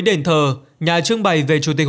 đền thờ nhà trưng bày về chủ tịch